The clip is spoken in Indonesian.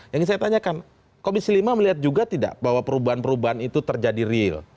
yang saya tanyakan komisi lima melihat juga tidak bahwa perubahan perubahan itu terjadi real